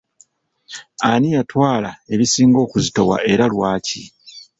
Ani yatwala ebisinga okuzitowa era lwaki?